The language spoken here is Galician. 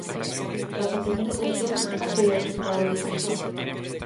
Tras a primeira sesión, cal foi o resultado do persoal?